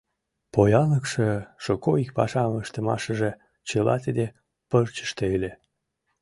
Поянлыкше, шуко ик пашам ыштымашыже чыла тиде пырчыште ыле.